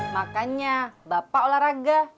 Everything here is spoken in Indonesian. makanya bapak olahraga